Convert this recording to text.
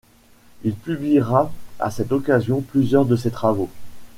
Il publiera à cette occasion plusieurs de ses travaux.